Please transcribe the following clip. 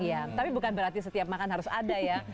iya tapi bukan berarti setiap makan harus ada ya